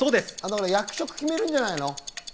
役職を決めるんじゃないの？